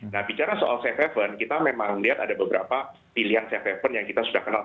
nah bicara soal survival kita memang lihat ada beberapa pilihan survival yang kita sudah kenal